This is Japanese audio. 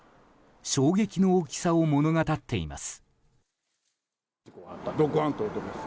衝撃の大きさを物語っています。